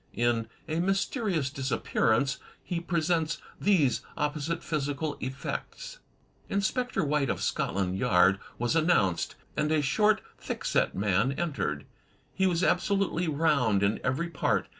In "A Mysterious Disappearance" he presents these opposite physical effects: Inspector White, of Scotland Yard, was annoimced, and a short, thick set man entered. He was absolutely round in every part.